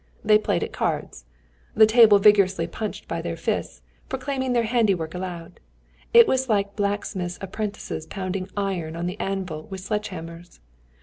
They played at cards. The table, vigorously punched by their fists, proclaimed their handiwork aloud. It was like blacksmiths' apprentices pounding iron on the anvil with sledgehammers.